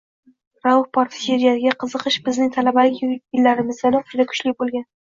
Rauf Parfi she’riyatiga qiziqish bizning talabalik yillarimizdayoq juda kuchli bo’lgan.